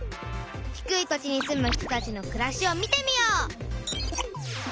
「低い土地に住む人たちのくらし」を見てみよう！